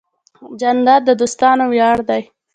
جانداد د دوستانو ویاړ دی.